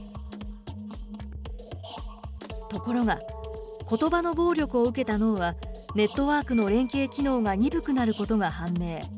ところが、ことばの暴力を受けた脳は、ネットワークの連携機能が鈍くなることが判明。